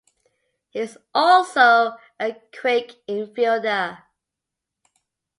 He is also a quick infielder.